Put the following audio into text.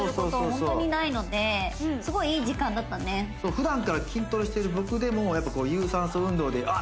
本当にないのですごいいい時間だったねふだんから筋トレしている僕でもやっぱこう有酸素運動でああ